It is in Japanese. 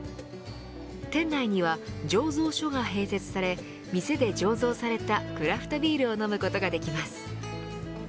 店内には醸造所が併設され店で醸造されたクラフトビールを飲むことができます。